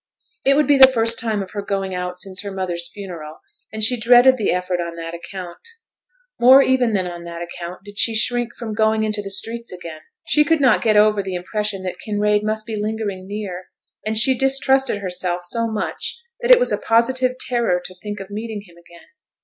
It would be the first time of her going out since her mother's funeral, and she dreaded the effort on that account. More even than on that account did she shrink from going into the streets again. She could not get over the impression that Kinraid must be lingering near; and she distrusted herself so much that it was a positive terror to think of meeting him again.